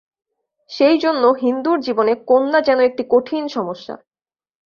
সেইজন্য হিন্দুর জীবনে কন্যা যেন একটি কঠিন সমস্যা।